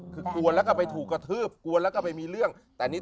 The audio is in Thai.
คือกลัวแล้วก็ไปถูกกระทืบกลัวแล้วก็ไปมีเรื่องแต่นี่